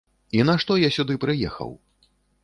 І нашто я сюды прыехаў?